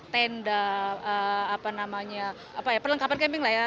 tenda apa namanya perlengkapan camping lah ya